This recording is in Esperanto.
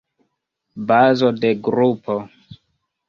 Bazo de grupo.